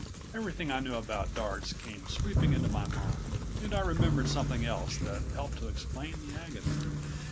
Everything I knew about darts came sweeping into my mind, and I remembered something else that helped to explain the agony.